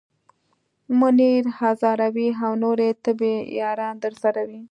منیر هزاروی او نورې طبې یاران درسره وي.